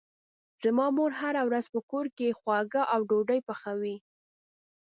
زما مور هره ورځ په کور کې خواږه او ډوډۍ پخوي.